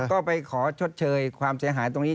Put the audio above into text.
ก็ไปขอชดเชยความเสียหายตรงนี้